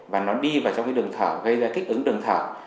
và nó đi vào trong đường thở gây ra kích ứng đường thở